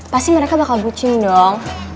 pasti mereka bakal boothing dong